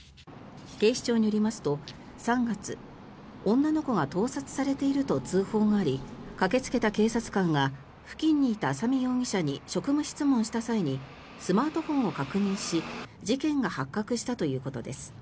警視庁によりますと３月女の子が盗撮されていると通報があり駆けつけた警察官が付近にいた浅見容疑者に職務質問した際にスマートフォンを確認し事件が発覚したということです。